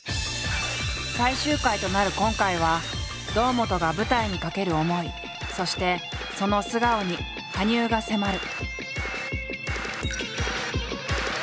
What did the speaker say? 最終回となる今回は堂本が舞台にかける思いそしてその素顔に羽生が迫る。